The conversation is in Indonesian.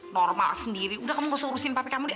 normal sendiri udah kamu harus urusin papi kamu deh